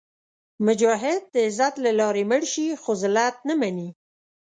مجاهد د عزت له لارې مړ شي، خو ذلت نه مني.